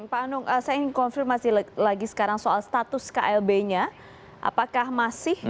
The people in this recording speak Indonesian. pak anung saya ingin konfirmasi lagi sekarang soal status klb nya apakah masih